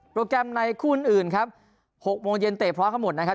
โปรแกรมในคู่อื่นอื่นครับหกโมงเย็นเตะพร้อมทั้งหมดนะครับ